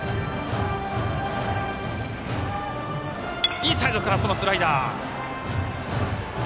インサイドからスライダー。